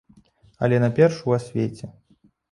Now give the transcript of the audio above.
Але найперш у асвеце.